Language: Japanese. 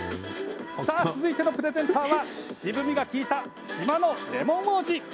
さあ、続いてのプレゼンターは渋みが利いた島のレモン王子！